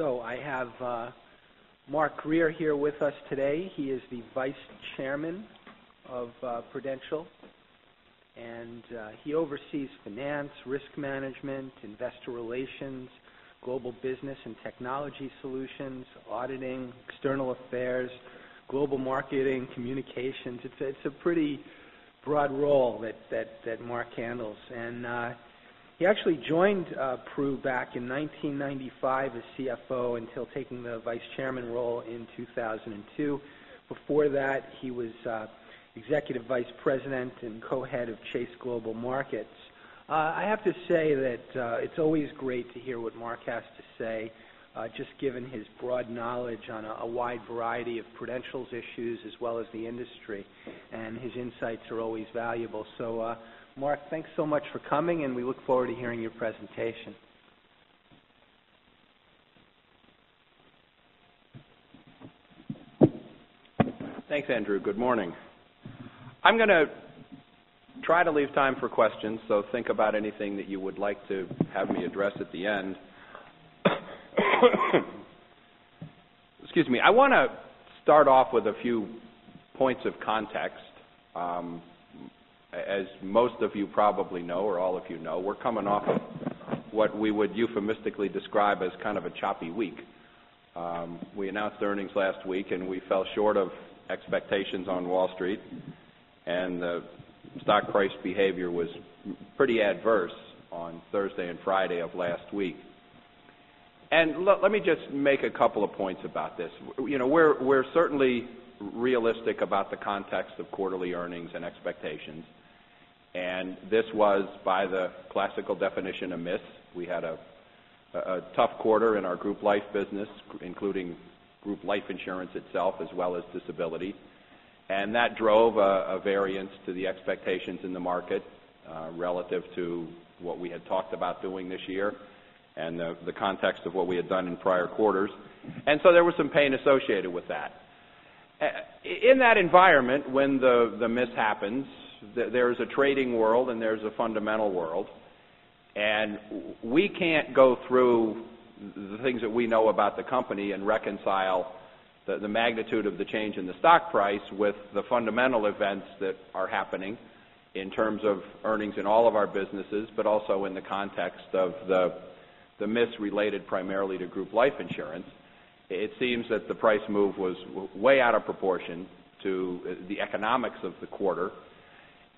I have Mark Grier here with us today. He is the Vice Chairman of Prudential, and he oversees finance, risk management, investor relations, global business and technology solutions, auditing, external affairs, global marketing, communications. It's a pretty broad role that Mark handles. He actually joined Pru back in 1995 as CFO until taking the Vice Chairman role in 2002. Before that, he was Executive Vice President and co-head of Chase Global Markets. I have to say that it's always great to hear what Mark has to say, just given his broad knowledge on a wide variety of Prudential's issues as well as the industry, and his insights are always valuable. Mark, thanks so much for coming, and we look forward to hearing your presentation. Thanks, Andrew. Good morning. I'm going to try to leave time for questions, think about anything that you would like to have me address at the end. Excuse me. I want to start off with a few points of context. As most of you probably know, or all of you know, we're coming off what we would euphemistically describe as kind of a choppy week. We announced earnings last week, and we fell short of expectations on Wall Street, and the stock price behavior was pretty adverse on Thursday and Friday of last week. Let me just make a couple of points about this. We're certainly realistic about the context of quarterly earnings and expectations, and this was, by the classical definition, a miss. We had a tough quarter in our Group Life business, including group life insurance itself as well as group disability, and that drove a variance to the expectations in the market relative to what we had talked about doing this year and the context of what we had done in prior quarters. There was some pain associated with that. In that environment, when the miss happens, there's a trading world and there's a fundamental world, we can't go through the things that we know about the company and reconcile the magnitude of the change in the stock price with the fundamental events that are happening in terms of earnings in all of our businesses, but also in the context of the miss related primarily to group life insurance. It seems that the price move was way out of proportion to the economics of the quarter.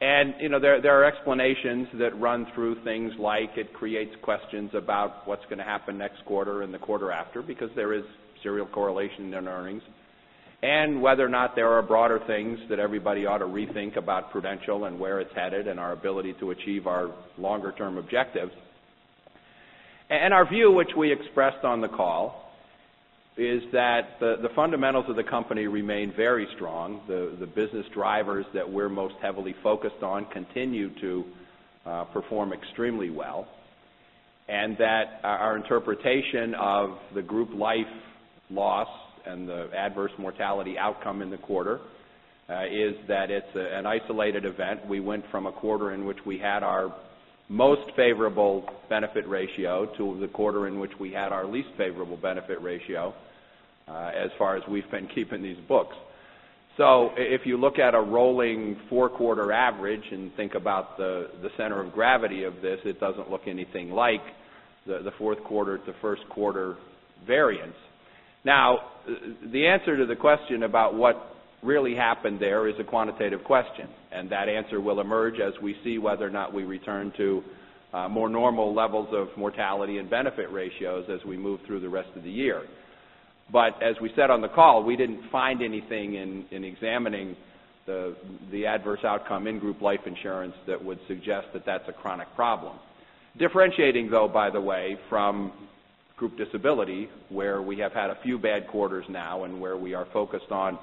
There are explanations that run through things like it creates questions about what's going to happen next quarter and the quarter after, because there is serial correlation in earnings. Whether or not there are broader things that everybody ought to rethink about Prudential and where it's headed and our ability to achieve our longer-term objectives. Our view, which we expressed on the call, is that the fundamentals of the company remain very strong. The business drivers that we're most heavily focused on continue to perform extremely well. Our interpretation of the group life loss and the adverse mortality outcome in the quarter is that it's an isolated event. We went from a quarter in which we had our most favorable benefit ratio to the quarter in which we had our least favorable benefit ratio, as far as we've been keeping these books. If you look at a rolling four-quarter average and think about the center of gravity of this, it doesn't look anything like the fourth quarter to first quarter variance. The answer to the question about what really happened there is a quantitative question, and that answer will emerge as we see whether or not we return to more normal levels of mortality and benefit ratios as we move through the rest of the year. As we said on the call, we didn't find anything in examining the adverse outcome in group life insurance that would suggest that that's a chronic problem. Differentiating, though, by the way, from group disability, where we have had a few bad quarters now and where we are focused on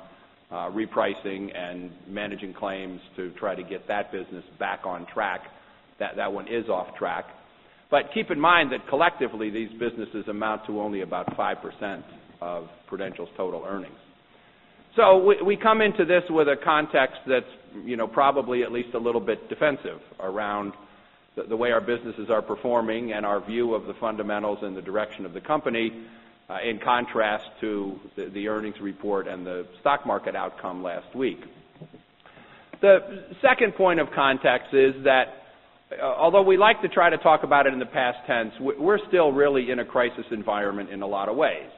repricing and managing claims to try to get that business back on track. That one is off track. Keep in mind that collectively, these businesses amount to only about 5% of Prudential's total earnings. We come into this with a context that's probably at least a little bit defensive around the way our businesses are performing and our view of the fundamentals and the direction of the company, in contrast to the earnings report and the stock market outcome last week. The second point of context is that although we like to try to talk about it in the past tense, we're still really in a crisis environment in a lot of ways.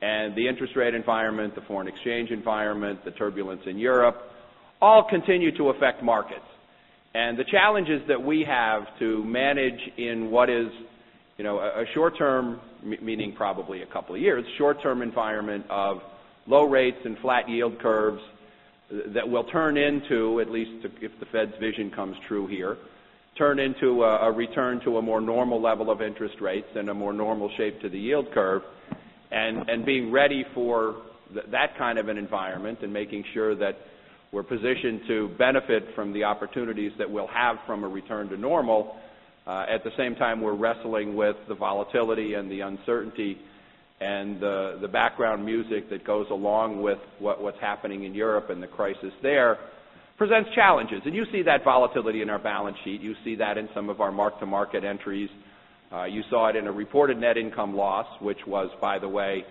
The interest rate environment, the foreign exchange environment, the turbulence in Europe all continue to affect markets. The challenges that we have to manage in what is a short term, meaning probably a couple of years, short term environment of low rates and flat yield curves that will turn into, at least if the Fed's vision comes true here, turn into a return to a more normal level of interest rates and a more normal shape to the yield curve. Being ready for that kind of an environment and making sure that we're positioned to benefit from the opportunities that we'll have from a return to normal. At the same time, we're wrestling with the volatility and the uncertainty and the background music that goes along with what's happening in Europe and the crisis there. Presents challenges. You see that volatility in our balance sheet. You see that in some of our mark-to-market entries. You saw it in a reported net income loss, which was, by the way,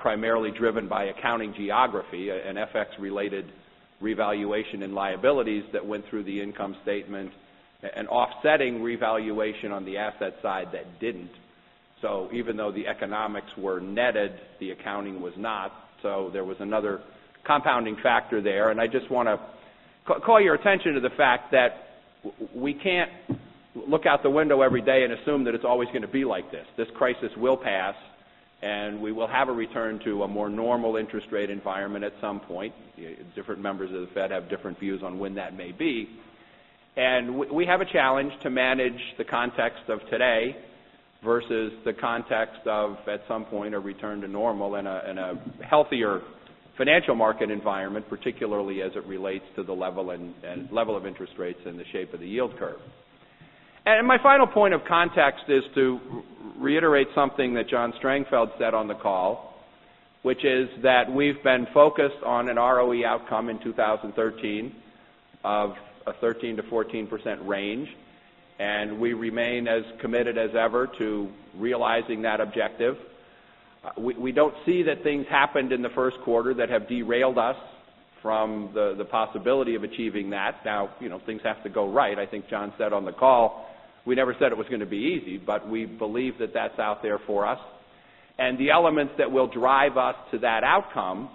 primarily driven by accounting geography, an FX-related revaluation in liabilities that went through the income statement and offsetting revaluation on the asset side that didn't. Even though the economics were netted, the accounting was not. There was another compounding factor there. I just want to call your attention to the fact that we can't look out the window every day and assume that it's always going to be like this. This crisis will pass, and we will have a return to a more normal interest rate environment at some point. Different members of the Fed have different views on when that may be. We have a challenge to manage the context of today versus the context of, at some point, a return to normal in a healthier financial market environment, particularly as it relates to the level of interest rates and the shape of the yield curve. My final point of context is to reiterate something that John Strangfeld said on the call, which is that we've been focused on an ROE outcome in 2013 of a 13%-14% range, and we remain as committed as ever to realizing that objective. We don't see that things happened in the first quarter that have derailed us from the possibility of achieving that. Things have to go right. I think John said on the call, we never said it was going to be easy, but we believe that that's out there for us. The elements that will drive us to that outcome,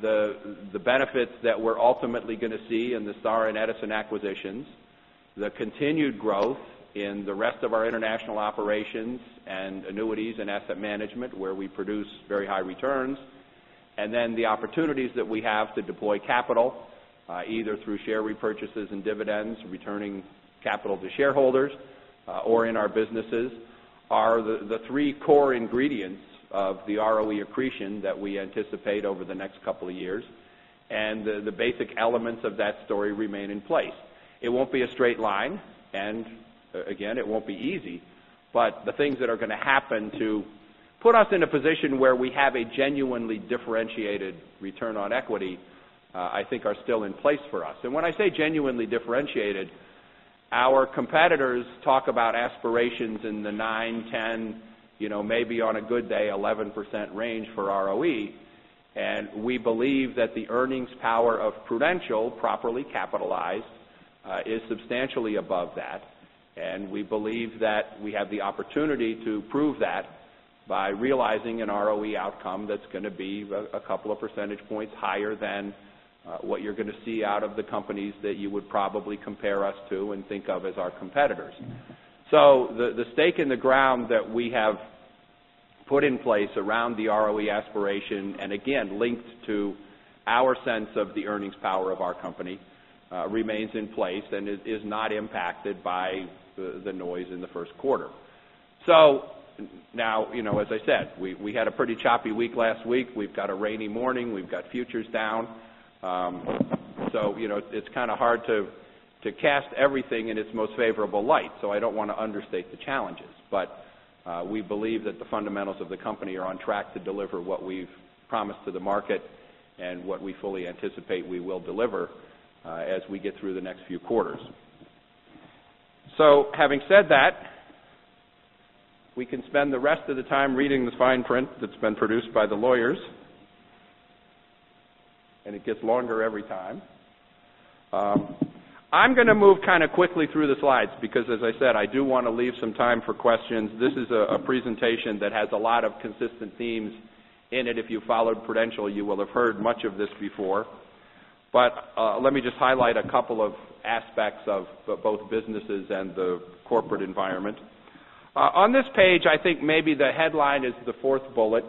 the benefits that we're ultimately going to see in the Star and Edison acquisitions, the continued growth in the rest of our international operations and annuities and asset management where we produce very high returns. The opportunities that we have to deploy capital, either through share repurchases and dividends, returning capital to shareholders or in our businesses, are the three core ingredients of the ROE accretion that we anticipate over the next couple of years, and the basic elements of that story remain in place. It won't be a straight line, and again, it won't be easy, but the things that are going to happen to put us in a position where we have a genuinely differentiated return on equity, I think are still in place for us. When I say genuinely differentiated, our competitors talk about aspirations in the nine, 10, maybe on a good day, 11% range for ROE, and we believe that the earnings power of Prudential, properly capitalized, is substantially above that. We believe that we have the opportunity to prove that by realizing an ROE outcome that's going to be a couple of percentage points higher than what you're going to see out of the companies that you would probably compare us to and think of as our competitors. The stake in the ground that we have put in place around the ROE aspiration, and again, linked to our sense of the earnings power of our company, remains in place and is not impacted by the noise in the first quarter. As I said, we had a pretty choppy week last week. We've got a rainy morning. We've got futures down. It's kind of hard to cast everything in its most favorable light. I don't want to understate the challenges, but we believe that the fundamentals of the company are on track to deliver what we've promised to the market and what we fully anticipate we will deliver as we get through the next few quarters. Having said that, we can spend the rest of the time reading this fine print that's been produced by the lawyers, and it gets longer every time. I'm going to move kind of quickly through the slides because as I said, I do want to leave some time for questions. This is a presentation that has a lot of consistent themes in it. If you followed Prudential, you will have heard much of this before. Let me just highlight a couple of aspects of both businesses and the corporate environment. On this page, I think maybe the headline is the fourth bullet,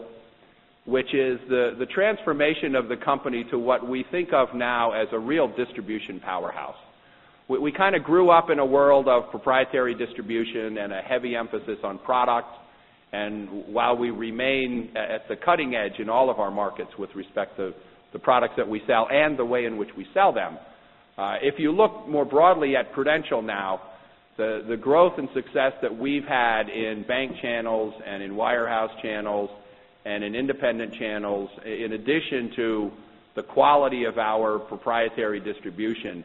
which is the transformation of the company to what we think of now as a real distribution powerhouse. We grew up in a world of proprietary distribution and a heavy emphasis on product. While we remain at the cutting edge in all of our markets with respect to the products that we sell and the way in which we sell them, if you look more broadly at Prudential now, the growth and success that we've had in bank channels and in wire house channels and in independent channels, in addition to the quality of our proprietary distribution,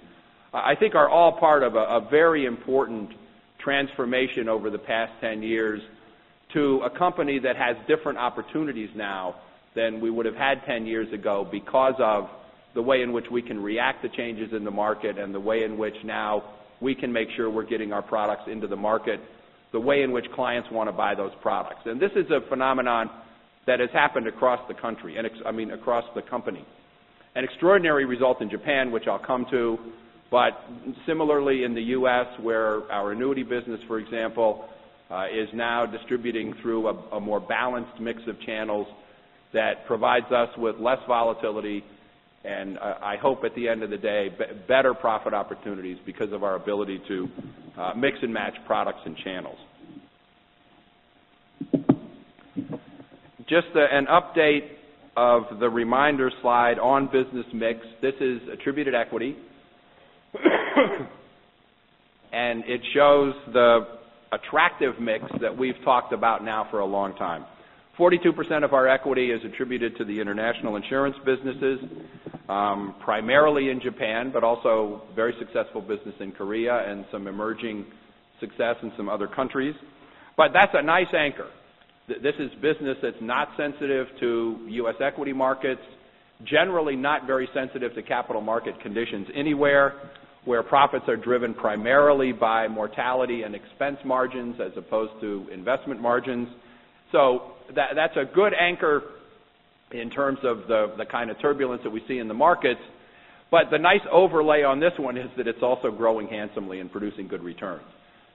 I think are all part of a very important transformation over the past 10 years to a company that has different opportunities now than we would have had 10 years ago because of the way in which we can react to changes in the market and the way in which now we can make sure we're getting our products into the market, the way in which clients want to buy those products. This is a phenomenon that has happened across the company. An extraordinary result in Japan, which I'll come to, similarly in the U.S., where our annuity business, for example, is now distributing through a more balanced mix of channels that provides us with less volatility and I hope at the end of the day, better profit opportunities because of our ability to mix and match products and channels. Just an update of the reminder slide on business mix. This is attributed equity. It shows the attractive mix that we've talked about now for a long time. 42% of our equity is attributed to the international insurance businesses, primarily in Japan, but also very successful business in Korea and some emerging success in some other countries. That's a nice anchor. This is business that's not sensitive to U.S. equity markets, generally not very sensitive to capital market conditions anywhere, where profits are driven primarily by mortality and expense margins as opposed to investment margins. That's a good anchor in terms of the kind of turbulence that we see in the markets. The nice overlay on this one is that it's also growing handsomely and producing good returns.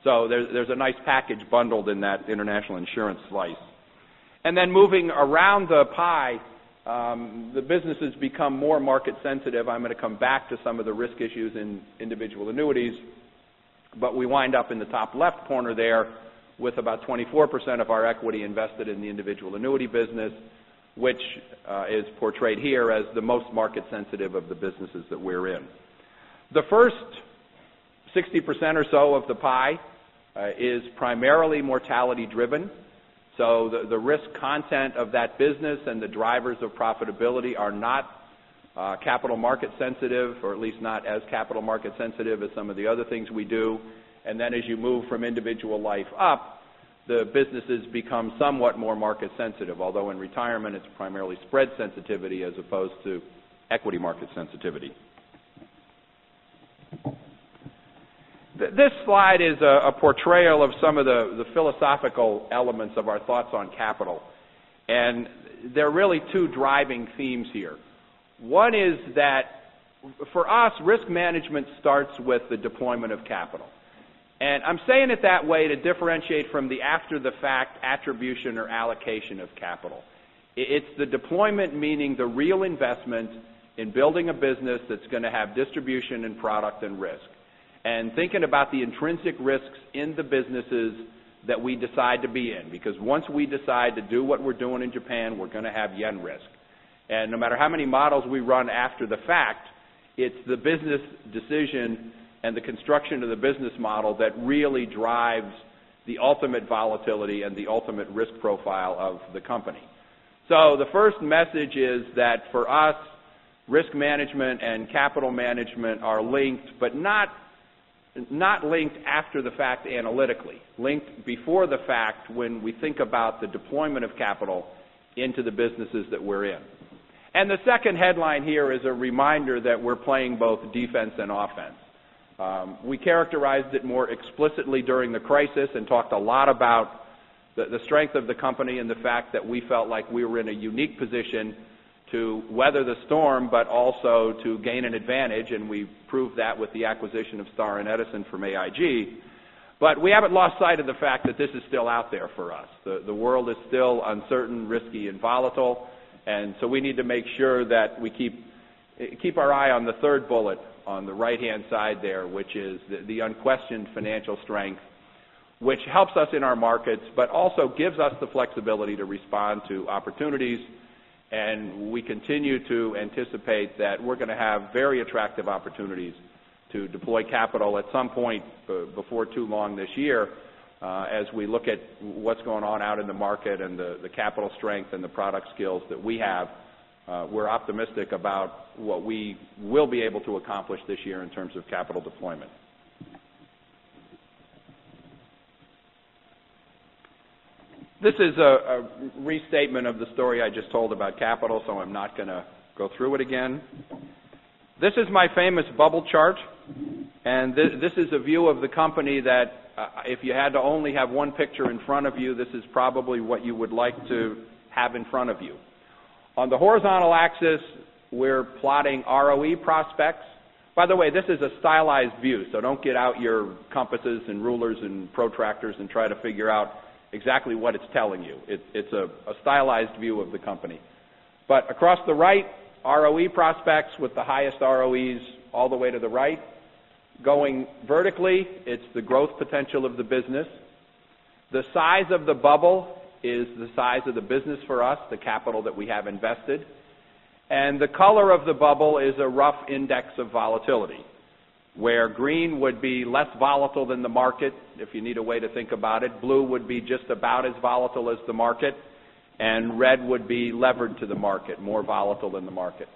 There's a nice package bundled in that international insurance slice. Then moving around the pie, the businesses become more market sensitive. I'm going to come back to some of the risk issues in individual annuities, but we wind up in the top left corner there with about 24% of our equity invested in the individual annuity business, which is portrayed here as the most market sensitive of the businesses that we're in. The first 60% or so of the pie is primarily mortality driven. The risk content of that business and the drivers of profitability are not capital market sensitive, or at least not as capital market sensitive as some of the other things we do. As you move from individual life up, the businesses become somewhat more market sensitive. Although in retirement, it's primarily spread sensitivity as opposed to equity market sensitivity. This slide is a portrayal of some of the philosophical elements of our thoughts on capital. There are really two driving themes here. One is that for us, risk management starts with the deployment of capital. I'm saying it that way to differentiate from the after the fact attribution or allocation of capital. It's the deployment, meaning the real investment in building a business that's going to have distribution and product and risk. Thinking about the intrinsic risks in the businesses that we decide to be in, because once we decide to do what we're doing in Japan, we're going to have JPY risk. No matter how many models we run after the fact, it's the business decision and the construction of the business model that really drives the ultimate volatility and the ultimate risk profile of the company. The first message is that for us, risk management and capital management are linked, but not linked after the fact analytically. Linked before the fact when we think about the deployment of capital into the businesses that we're in. The second headline here is a reminder that we're playing both defense and offense. We characterized it more explicitly during the crisis and talked a lot about the strength of the company and the fact that we felt like we were in a unique position to weather the storm, but also to gain an advantage, and we proved that with the acquisition of Star and Edison from AIG. We haven't lost sight of the fact that this is still out there for us. The world is still uncertain, risky, and volatile. We need to make sure that we keep our eye on the third bullet on the right-hand side there, which is the unquestioned financial strength, which helps us in our markets, but also gives us the flexibility to respond to opportunities. We continue to anticipate that we're going to have very attractive opportunities to deploy capital at some point before too long this year. As we look at what's going on out in the market and the capital strength and the product skills that we have, we're optimistic about what we will be able to accomplish this year in terms of capital deployment. This is a restatement of the story I just told about capital. I'm not going to go through it again. This is my famous bubble chart. This is a view of the company that if you had to only have one picture in front of you, this is probably what you would like to have in front of you. On the horizontal axis, we're plotting ROE prospects. By the way, this is a stylized view. Don't get out your compasses and rulers and protractors and try to figure out exactly what it's telling you. It's a stylized view of the company. Across the right, ROE prospects with the highest ROEs all the way to the right. Going vertically, it's the growth potential of the business. The size of the bubble is the size of the business for us, the capital that we have invested. The color of the bubble is a rough index of volatility, where green would be less volatile than the market, if you need a way to think about it. Blue would be just about as volatile as the market, and red would be levered to the market, more volatile than the market.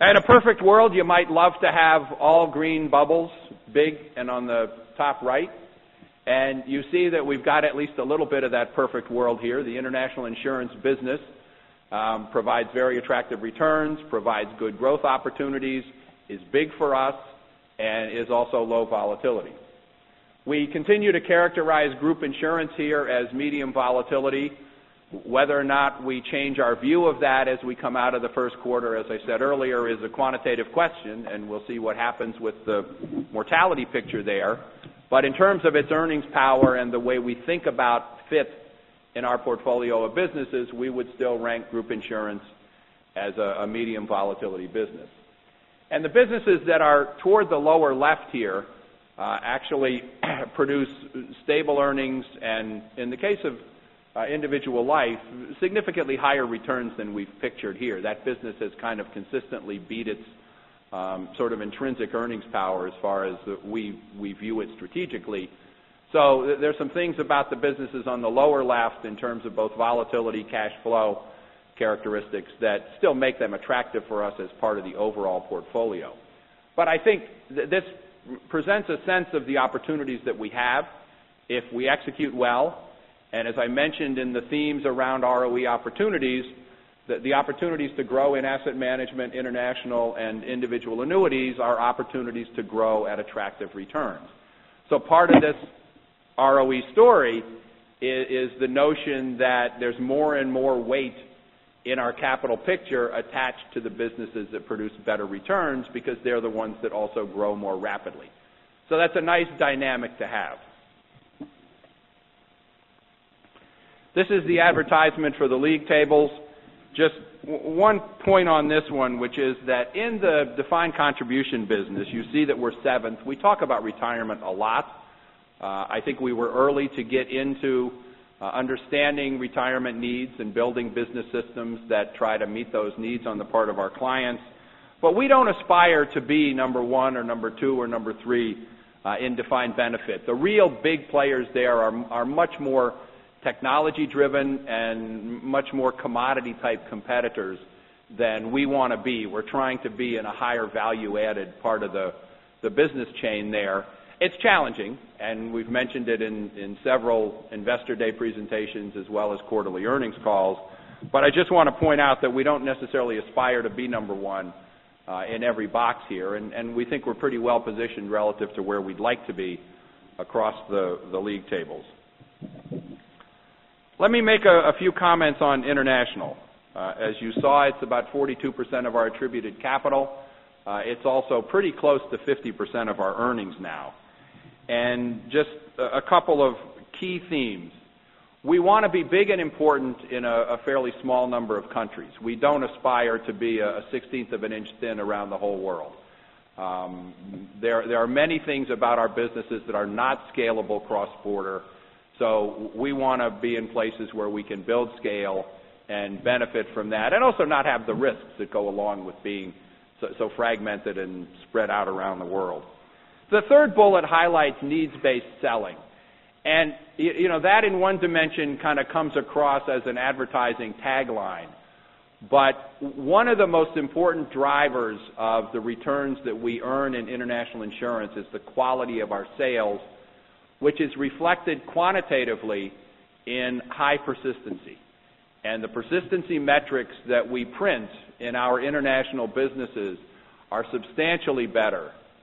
In a perfect world, you might love to have all green bubbles, big and on the top right. You see that we've got at least a little bit of that perfect world here. The international insurance business provides very attractive returns, provides good growth opportunities, is big for us, and is also low volatility. We continue to characterize group insurance here as medium volatility. Whether or not we change our view of that as we come out of the first quarter, as I said earlier, is a quantitative question, and we'll see what happens with the mortality picture there. In terms of its earnings power and the way we think about fit in our portfolio of businesses, we would still rank group insurance as a medium volatility business. The businesses that are towards the lower left here actually produce stable earnings, and in the case of individual life, significantly higher returns than we've pictured here. That business has kind of consistently beat its intrinsic earnings power as far as we view it strategically. There's some things about the businesses on the lower left in terms of both volatility, cash flow characteristics that still make them attractive for us as part of the overall portfolio. I think this presents a sense of the opportunities that we have if we execute well, and as I mentioned in the themes around ROE opportunities, that the opportunities to grow in asset management, international, and individual annuities are opportunities to grow at attractive returns. Part of this ROE story is the notion that there's more and more weight in our capital picture attached to the businesses that produce better returns because they're the ones that also grow more rapidly. That's a nice dynamic to have. This is the advertisement for the league tables. Just one point on this one, which is that in the defined contribution business, you see that we're seventh. We talk about retirement a lot. I think we were early to get into understanding retirement needs and building business systems that try to meet those needs on the part of our clients. We don't aspire to be number one or number two or number three in defined benefit. The real big players there are much more technology driven and much more commodity type competitors than we want to be. We're trying to be in a higher value added part of the business chain there. It's challenging, and we've mentioned it in several investor day presentations as well as quarterly earnings calls. I just want to point out that we don't necessarily aspire to be number one in every box here, and we think we're pretty well positioned relative to where we'd like to be across the league tables. Let me make a few comments on international. As you saw, it's about 42% of our attributed capital. It's also pretty close to 50% of our earnings now. Just a couple of key themes. We want to be big and important in a fairly small number of countries. We don't aspire to be a 16th of an inch thin around the whole world. There are many things about our businesses that are not scalable cross border. We want to be in places where we can build scale and benefit from that, and also not have the risks that go along with being so fragmented and spread out around the world. The third bullet highlights needs-based selling, and that in one dimension kind of comes across as an advertising tagline. One of the most important drivers of the returns that we earn in international insurance is the quality of our sales, which is reflected quantitatively in high persistency. The persistency metrics that we print in our international businesses are substantially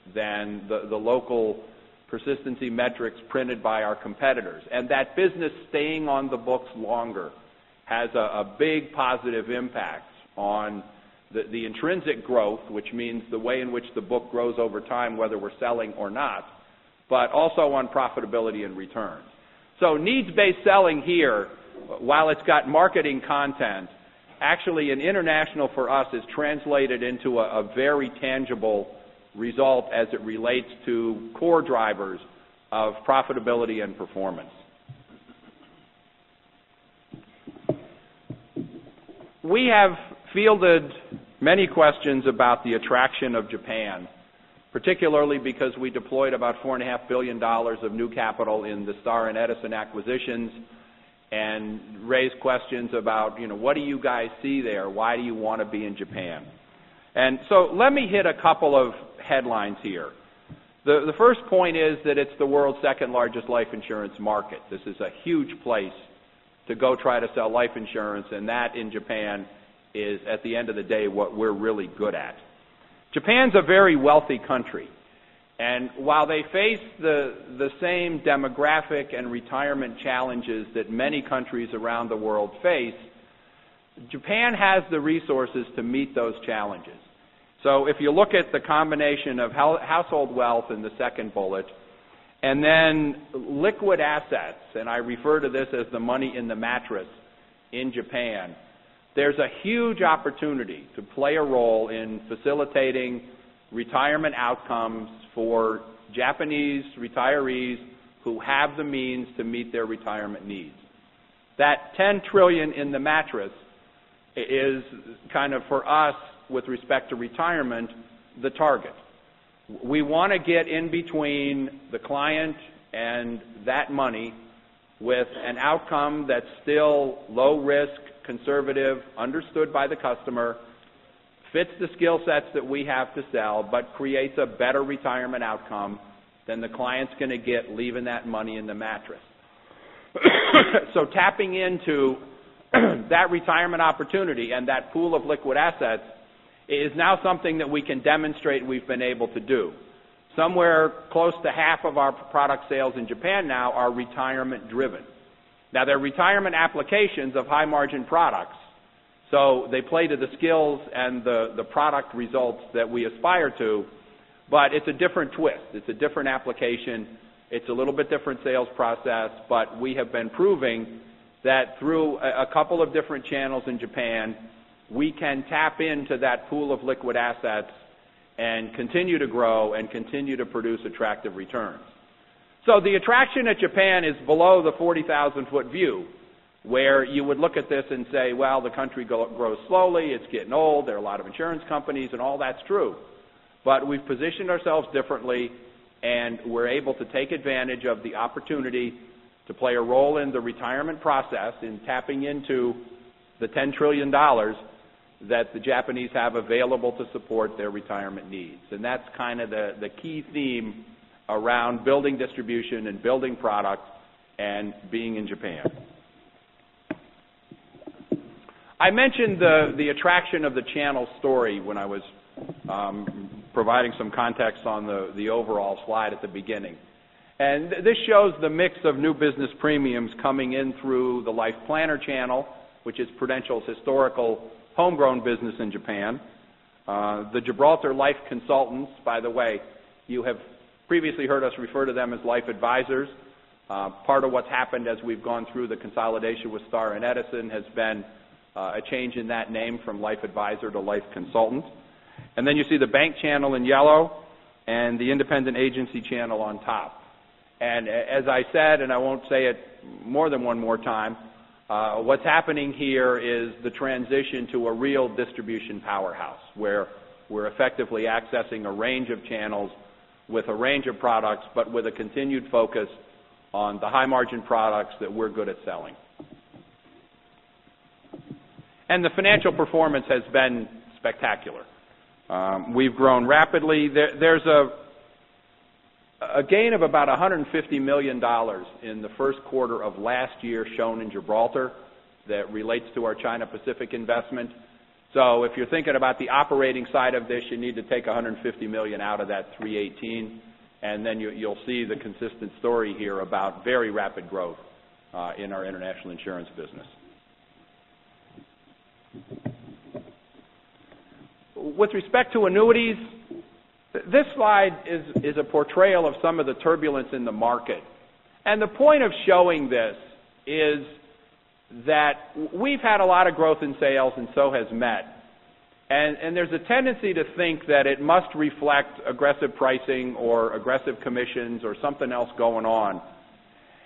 better than the local persistency metrics printed by our competitors. That business staying on the books longer has a big positive impact on the intrinsic growth, which means the way in which the book grows over time, whether we're selling or not, but also on profitability and returns. Needs-based selling here, while it's got marketing content, actually in international for us is translated into a very tangible result as it relates to core drivers of profitability and performance. We have fielded many questions about the attraction of Japan, particularly because we deployed about $4.5 billion of new capital in the Star and Edison acquisitions, and raised questions about, what do you guys see there? Why do you want to be in Japan? Let me hit a couple of headlines here. The first point is that it's the world's second largest life insurance market. This is a huge place to go try to sell life insurance, and that in Japan is, at the end of the day, what we're really good at. Japan's a very wealthy country, and while they face the same demographic and retirement challenges that many countries around the world face, Japan has the resources to meet those challenges. If you look at the combination of household wealth in the second bullet, and then liquid assets, and I refer to this as the money in the mattress in Japan, there's a huge opportunity to play a role in facilitating retirement outcomes for Japanese retirees who have the means to meet their retirement needs. That $10 trillion in the mattress is kind of for us, with respect to retirement, the target. We want to get in between the client and that money with an outcome that's still low risk, conservative, understood by the customer, fits the skill sets that we have to sell, but creates a better retirement outcome than the client's going to get leaving that money in the mattress. Tapping into that retirement opportunity and that pool of liquid assets is now something that we can demonstrate we've been able to do. Somewhere close to half of our product sales in Japan now are retirement driven. They're retirement applications of high margin products. They play to the skills and the product results that we aspire to. It's a different twist. It's a different application. It's a little bit different sales process, but we have been proving that through a couple of different channels in Japan we can tap into that pool of liquid assets and continue to grow and continue to produce attractive returns. The attraction at Japan is below the 40,000-foot view, where you would look at this and say, well, the country grows slowly, it's getting old, there are a lot of insurance companies, and all that's true. We've positioned ourselves differently, and we're able to take advantage of the opportunity to play a role in the retirement process in tapping into the $10 trillion that the Japanese have available to support their retirement needs. That's kind of the key theme around building distribution, and building product, and being in Japan. I mentioned the attraction of the channel story when I was providing some context on the overall slide at the beginning. This shows the mix of new business premiums coming in through the LifePlanner channel, which is Prudential's historical homegrown business in Japan. The Gibraltar Life Consultants, by the way, you have previously heard us refer to them as Life Advisors. Part of what's happened as we've gone through the consolidation with Star and Edison has been a change in that name from Life Advisor to Life Consultant. You see the bank channel in yellow and the independent agency channel on top. As I said, and I won't say it more than one more time, what's happening here is the transition to a real distribution powerhouse, where we're effectively accessing a range of channels with a range of products, but with a continued focus on the high-margin products that we're good at selling. The financial performance has been spectacular. We've grown rapidly. There's a gain of about $150 million in the first quarter of last year shown in Gibraltar that relates to our China Pacific investment. If you're thinking about the operating side of this, you need to take $150 million out of that $318 million, and then you'll see the consistent story here about very rapid growth in our international insurance business. With respect to annuities, this slide is a portrayal of some of the turbulence in the market. The point of showing this is that we've had a lot of growth in sales, and so has MetLife. There's a tendency to think that it must reflect aggressive pricing or aggressive commissions or something else going on.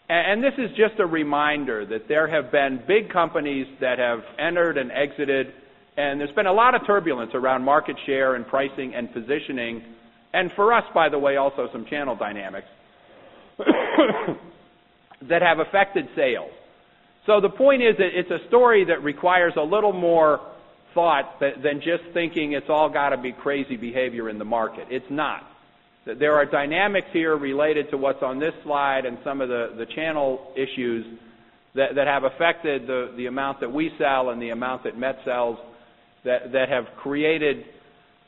This is just a reminder that there have been big companies that have entered and exited, and there's been a lot of turbulence around market share and pricing and positioning, and for us, by the way, also some channel dynamics, that have affected sales. The point is that it's a story that requires a little more thought than just thinking it's all got to be crazy behavior in the market. It's not. There are dynamics here related to what's on this slide and some of the channel issues that have affected the amount that we sell and the amount that Met sells that have created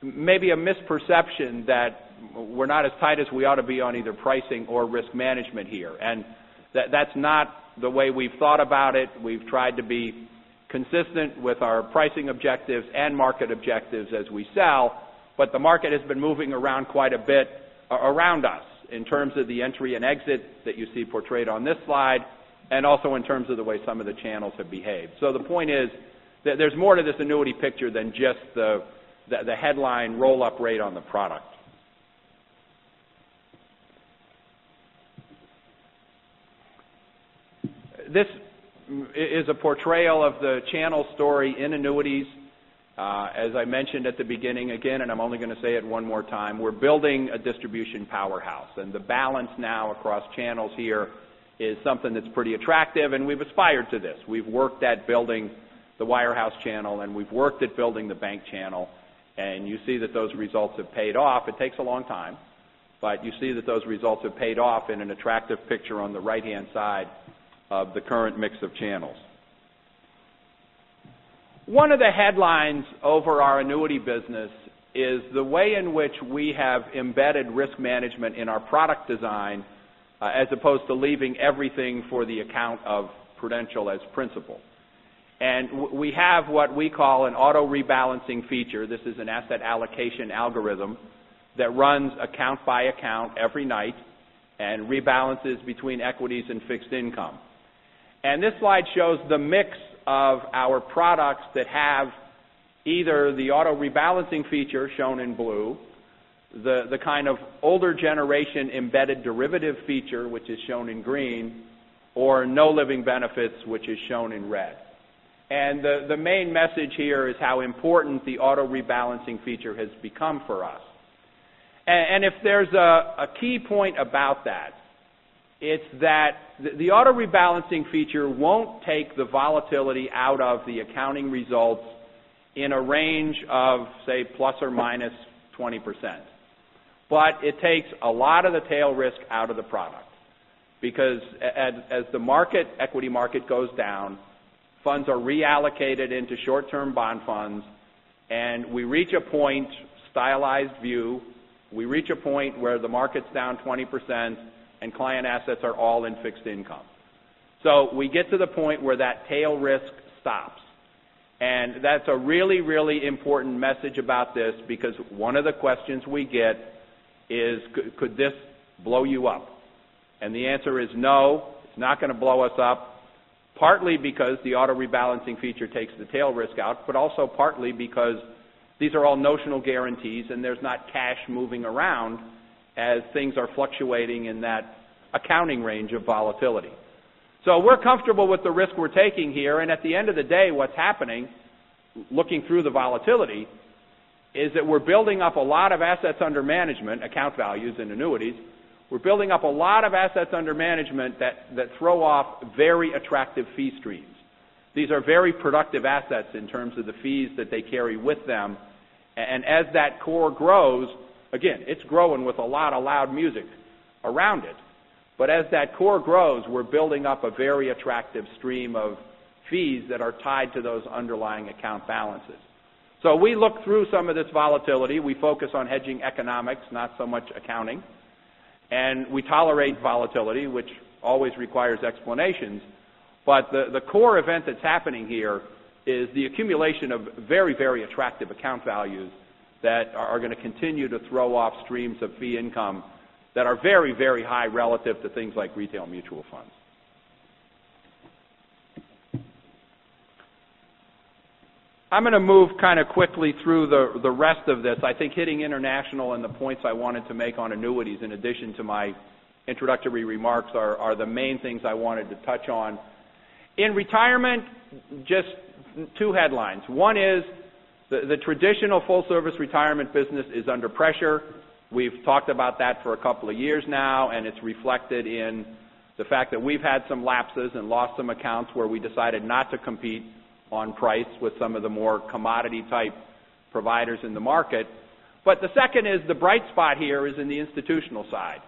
maybe a misperception that we're not as tight as we ought to be on either pricing or risk management here. That's not the way we've thought about it. We've tried to be consistent with our pricing objectives and market objectives as we sell. The market has been moving around quite a bit around us in terms of the entry and exit that you see portrayed on this slide, and also in terms of the way some of the channels have behaved. The point is that there's more to this annuity picture than just the headline roll-up rate on the product. This is a portrayal of the channel story in annuities. As I mentioned at the beginning, again, I'm only going to say it one more time, we're building a distribution powerhouse. The balance now across channels here is something that's pretty attractive, and we've aspired to this. We've worked at building the wirehouse channel, and we've worked at building the bank channel, and you see that those results have paid off. It takes a long time, you see that those results have paid off in an attractive picture on the right-hand side of the current mix of channels. One of the headlines over our annuity business is the way in which we have embedded risk management in our product design, as opposed to leaving everything for the account of Prudential as principal. We have what we call an auto-rebalancing feature. This is an asset allocation algorithm that runs account by account every night and rebalances between equities and fixed income. This slide shows the mix of our products that have either the auto-rebalancing feature, shown in blue, the kind of older generation embedded derivative feature, which is shown in green, or no living benefits, which is shown in red. The main message here is how important the auto-rebalancing feature has become for us. If there's a key point about that, it's that the auto-rebalancing feature won't take the volatility out of the accounting results in a range of, say, ±20%. It takes a lot of the tail risk out of the product, because as the equity market goes down, funds are reallocated into short-term bond funds, and we reach a point, stylized view, we reach a point where the market's down 20% and client assets are all in fixed income. We get to the point where that tail risk stops. That's a really important message about this because one of the questions we get is could this blow you up? The answer is no, it's not going to blow us up. Partly because the auto-rebalancing feature takes the tail risk out, but also partly because these are all notional guarantees, and there's not cash moving around as things are fluctuating in that accounting range of volatility. We're comfortable with the risk we're taking here. At the end of the day, what's happening, looking through the volatility, is that we're building up a lot of assets under management, account values and individual annuities. We're building up a lot of assets under management that throw off very attractive fee streams. These are very productive assets in terms of the fees that they carry with them. Again, it's growing with a lot of loud music around it. As that core grows, we're building up a very attractive stream of fees that are tied to those underlying account balances. We look through some of this volatility. We focus on hedging economics, not so much accounting. We tolerate volatility, which always requires explanations. The core event that's happening here is the accumulation of very attractive account values that are going to continue to throw off streams of fee income that are very high relative to things like retail mutual funds. I'm going to move kind of quickly through the rest of this. I think hitting international and the points I wanted to make on individual annuities, in addition to my introductory remarks, are the main things I wanted to touch on. In retirement, just two headlines. One is the traditional full service retirement business is under pressure. We've talked about that for a couple of years now. It's reflected in the fact that we've had some lapses and lost some accounts where we decided not to compete on price with some of the more commodity type providers in the market. The second is the bright spot here is in the institutional side,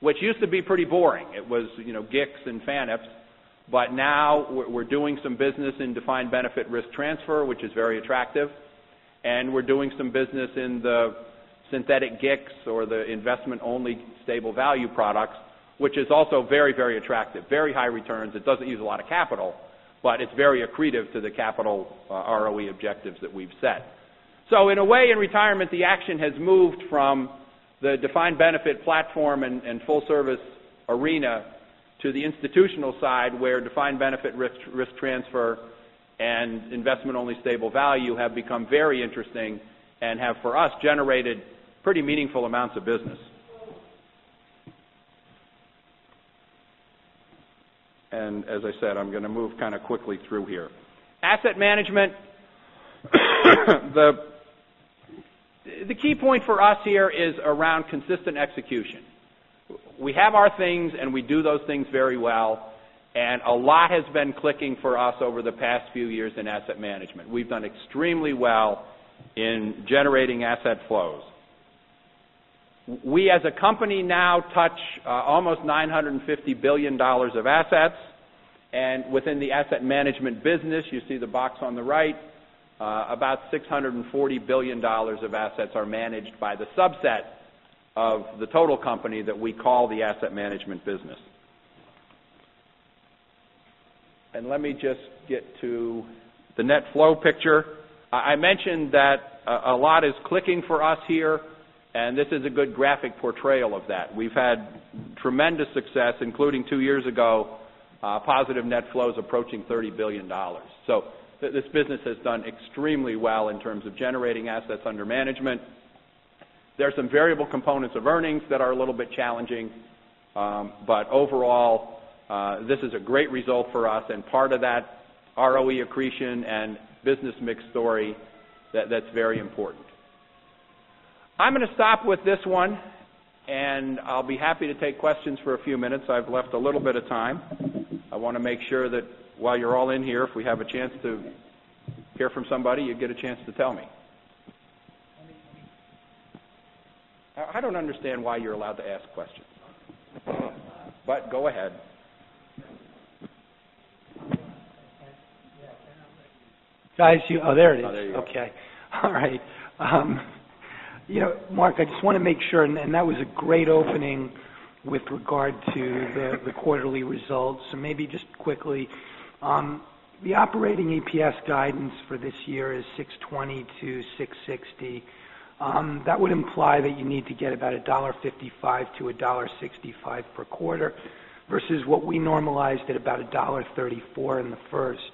which used to be pretty boring. It was GICs and FANFs, but now we're doing some business in defined benefit risk transfer, which is very attractive. We're doing some business in the synthetic GICs or the investment-only stable value products, which is also very attractive. Very high returns. It doesn't use a lot of capital, but it's very accretive to the capital ROE objectives that we've set. In a way, in retirement, the action has moved from the defined benefit platform and full service arena to the institutional side, where defined benefit risk transfer and investment-only stable value have become very interesting and have, for us, generated pretty meaningful amounts of business. As I said, I'm going to move kind of quickly through here. Asset management. The key point for us here is around consistent execution. We have our things. We do those things very well. A lot has been clicking for us over the past few years in asset management. We've done extremely well in generating asset flows. We, as a company now, touch almost $950 billion of assets. Within the asset management business, you see the box on the right, about $640 billion of assets are managed by the subset of the total company that we call the asset management business. Let me just get to the net flow picture. I mentioned that a lot is clicking for us here. This is a good graphic portrayal of that. We've had tremendous success, including two years ago, positive net flows approaching $30 billion. This business has done extremely well in terms of generating assets under management. There's some variable components of earnings that are a little bit challenging. Overall, this is a great result for us and part of that ROE accretion and business mix story that's very important. I'm going to stop with this one, and I'll be happy to take questions for a few minutes. I've left a little bit of time. I want to make sure that while you're all in here, if we have a chance to hear from somebody, you get a chance to tell me. I don't understand why you're allowed to ask questions. Go ahead. Yeah, I cannot let you. Guys, oh, there it is. Oh, there you go. Okay. All right. Mark, I just want to make sure. That was a great opening with regard to the quarterly results. Maybe just quickly the operating EPS guidance for this year is $6.20-$6.60. That would imply that you need to get about $1.55-$1.65 per quarter versus what we normalized at about $1.34 in the first.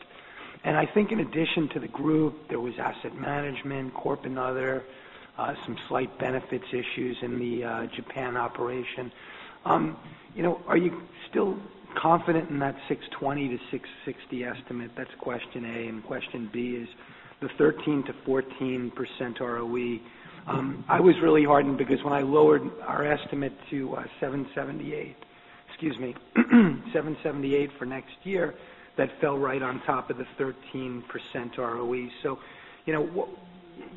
I think in addition to the group, there was asset management, Corp and other, some slight benefits issues in the Japan operation. Are you still confident in that $6.20-$6.60 estimate? That's question A. Question B is the 13%-14% ROE. I was really heartened because when I lowered our estimate to a $7.78 for next year, that fell right on top of the 13% ROE.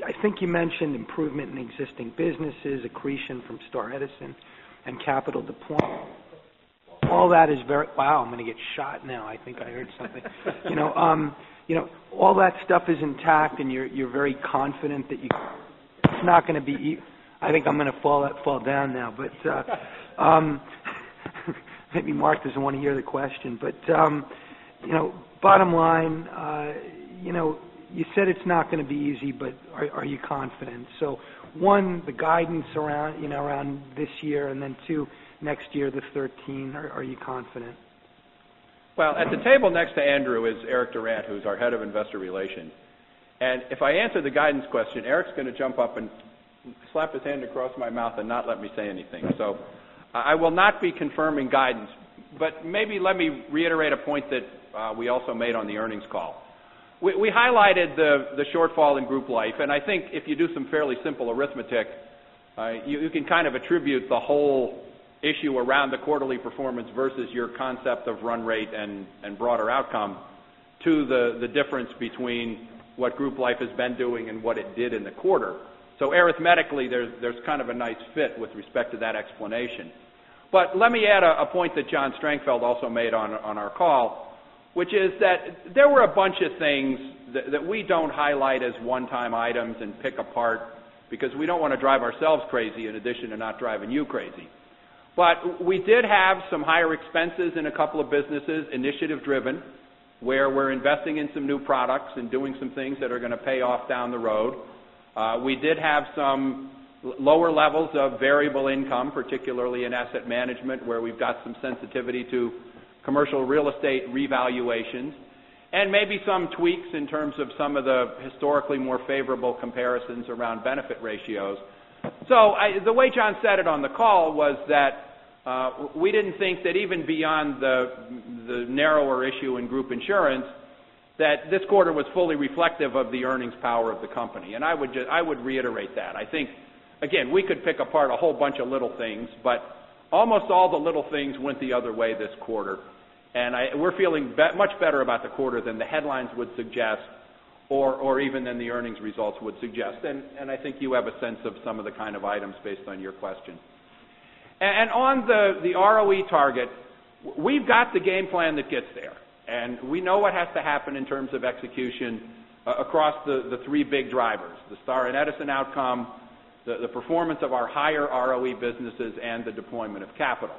I think you mentioned improvement in existing businesses, accretion from Star and Edison, and capital deployment. Wow, I'm going to get shot now. I think I heard something. All that stuff is intact, and you're very confident that. I think I'm going to fall down now. Maybe Mark doesn't want to hear the question. Bottom line, you said it's not going to be easy, but are you confident? One, the guidance around this year, and then two, next year, the 2013, are you confident? Well, at the table next to Andrew is Eric Durant, who's our head of investor relations. If I answer the guidance question, Eric's going to jump up and slap his hand across my mouth and not let me say anything. I will not be confirming guidance, but maybe let me reiterate a point that we also made on the earnings call. We highlighted the shortfall in group life, and I think if you do some fairly simple arithmetic, you can kind of attribute the whole issue around the quarterly performance versus your concept of run rate and broader outcome to the difference between what group life has been doing and what it did in the quarter. Arithmetically, there's kind of a nice fit with respect to that explanation. Let me add a point that John Strangfeld also made on our call, which is that there were a bunch of things that we don't highlight as one-time items and pick apart because we don't want to drive ourselves crazy in addition to not driving you crazy. We did have some higher expenses in a couple of businesses, initiative-driven, where we're investing in some new products and doing some things that are going to pay off down the road. We did have some lower levels of variable income, particularly in asset management, where we've got some sensitivity to commercial real estate revaluations, and maybe some tweaks in terms of some of the historically more favorable comparisons around benefit ratios. The way John said it on the call was that we didn't think that even beyond the narrower issue in group insurance, that this quarter was fully reflective of the earnings power of the company. I would reiterate that. I think, again, we could pick apart a whole bunch of little things, but almost all the little things went the other way this quarter. We're feeling much better about the quarter than the headlines would suggest or even than the earnings results would suggest. I think you have a sense of some of the kind of items based on your question. On the ROE target, we've got the game plan that gets there, and we know what has to happen in terms of execution across the three big drivers, the Star and Edison outcome, the performance of our higher ROE businesses, and the deployment of capital.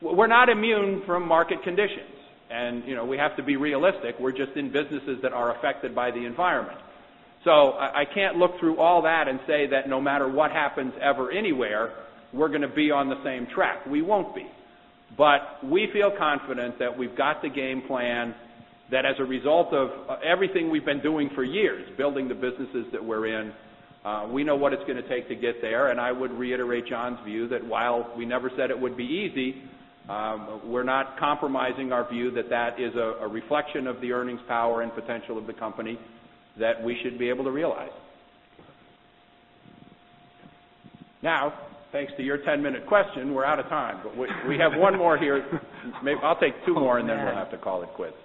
We're not immune from market conditions, and we have to be realistic. We're just in businesses that are affected by the environment. I can't look through all that and say that no matter what happens ever anywhere, we're going to be on the same track. We won't be. We feel confident that we've got the game plan, that as a result of everything we've been doing for years, building the businesses that we're in, we know what it's going to take to get there, and I would reiterate John's view that while we never said it would be easy, we're not compromising our view that that is a reflection of the earnings power and potential of the company that we should be able to realize. Now, thanks to your 10-minute question, we're out of time. We have one more here. Maybe I'll take two more, and then we'll have to call it quits.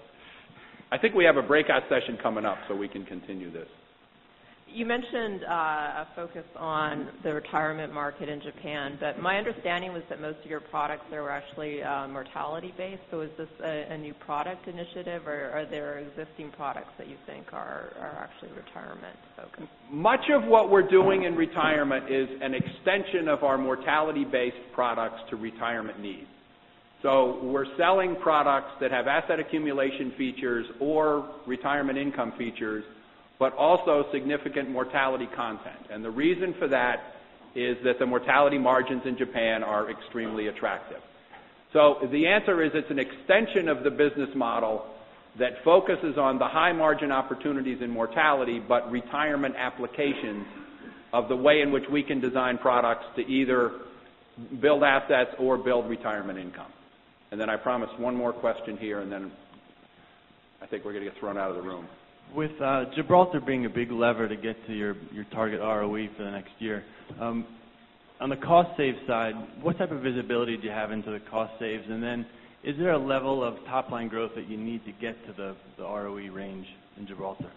I think we have a breakout session coming up we can continue this. You mentioned a focus on the retirement market in Japan, my understanding was that most of your products there were actually mortality-based. Is this a new product initiative, or are there existing products that you think are actually retirement-focused? Much of what we're doing in retirement is an extension of our mortality-based products to retirement needs. We're selling products that have asset accumulation features or retirement income features, but also significant mortality content. The reason for that is that the mortality margins in Japan are extremely attractive. The answer is it's an extension of the business model that focuses on the high margin opportunities in mortality, but retirement applications of the way in which we can design products to either build assets or build retirement income. I promise one more question here, I think we're going to get thrown out of the room. With Gibraltar being a big lever to get to your target ROE for the next year, on the cost save side, what type of visibility do you have into the cost saves? Is there a level of top-line growth that you need to get to the ROE range in Gibraltar?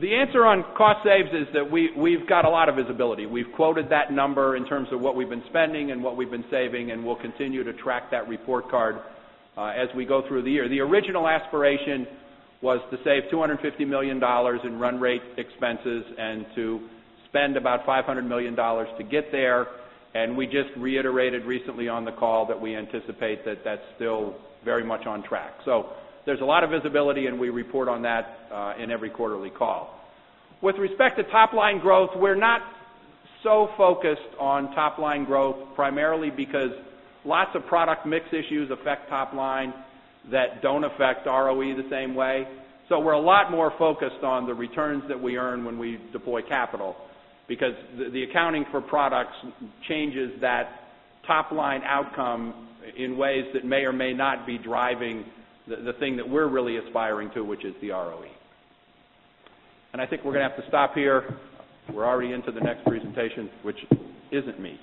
The answer on cost saves is that we've got a lot of visibility. We've quoted that number in terms of what we've been spending and what we've been saving, and we'll continue to track that report card as we go through the year. The original aspiration was to save $250 million in run rate expenses and to spend about $500 million to get there. We just reiterated recently on the call that we anticipate that that's still very much on track. There's a lot of visibility, and we report on that in every quarterly call. With respect to top-line growth, we're not so focused on top-line growth, primarily because lots of product mix issues affect top line that don't affect ROE the same way. We're a lot more focused on the returns that we earn when we deploy capital because the accounting for products changes that top-line outcome in ways that may or may not be driving the thing that we're really aspiring to, which is the ROE. I think we're going to have to stop here. We're already into the next presentation, which isn't me.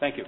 Thank you.